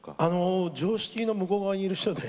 常識の向こう側にいる人で。